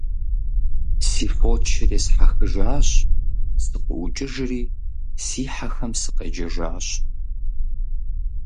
Си фочыр есхьэхыжащ, сыкъыӀукӀыжри си хьэхэм сыкъеджэжащ.